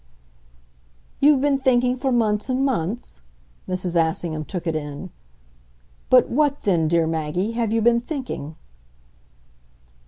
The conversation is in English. "You've been thinking for months and months?" Mrs. Assingham took it in. "But WHAT then, dear Maggie, have you been thinking?"